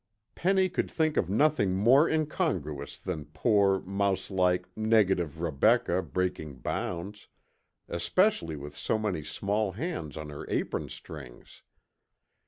Penny could think of nothing more incongruous than poor, mouselike, negative Rebecca breaking bounds, especially with so many small hands on her apron strings.